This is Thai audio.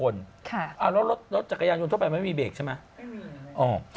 แล้วรถจักรยานยนต์ทั่วไปไม่มีเบรกใช่ไหม